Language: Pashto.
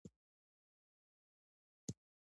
چې خلیفه عادل او با انصافه دی.